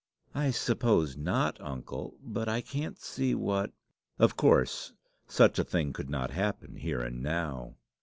"I suppose not, uncle. But I can't see what " "Of course such a thing could not happen here and now.